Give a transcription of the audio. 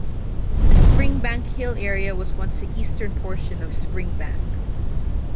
The Springbank Hill area was once the eastern portion of Springbank.